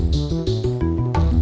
pernah satu dagang